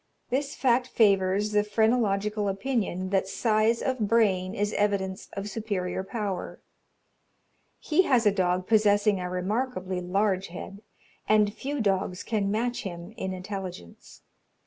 This fact favours the phrenological opinion that size of brain is evidence of superior power. He has a dog possessing a remarkably large head, and few dogs can match him in intelligence.